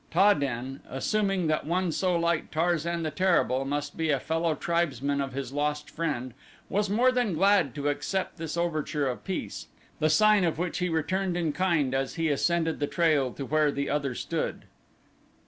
Ta den, assuming that one so like Tarzan the Terrible must be a fellow tribesman of his lost friend, was more than glad to accept this overture of peace, the sign of which he returned in kind as he ascended the trail to where the other stood.